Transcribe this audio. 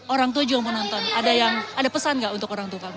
orang tua juga mau nonton ada pesan nggak untuk orang tua kamu